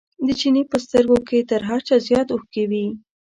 د چیني په سترګو کې تر هر چا زیات اوښکې وې.